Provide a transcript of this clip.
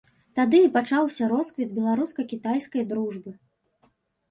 Тады і пачаўся росквіт беларуска-кітайскай дружбы.